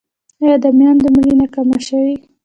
آیا د میندو مړینه کمه شوې؟